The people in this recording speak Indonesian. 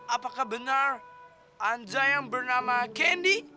apakah benar anda yang bernama candy